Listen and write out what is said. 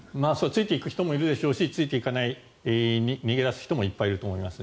ついていく人もいるでしょうしついていかない、逃げ出す人もいっぱいいると思います。